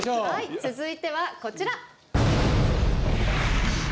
続いては、こちら。